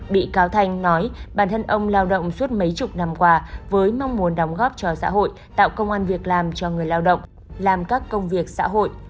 bị cáo thanh nói bản thân ông lao động suốt mấy chục năm qua với mong muốn đóng góp cho xã hội tạo công an việc làm cho người lao động làm các công việc xã hội